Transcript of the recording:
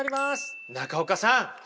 中岡さん